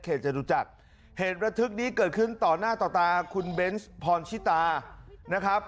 จตุจักรเหตุระทึกนี้เกิดขึ้นต่อหน้าต่อตาคุณเบนส์พรชิตานะครับ